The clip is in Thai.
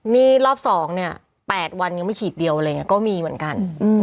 นี่รอบ๒เนี่ย๘วันยังไม่ขีดเดียวอะไรอย่างนี้ก็มีเหมือนกัน